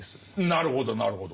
なるほどなるほど。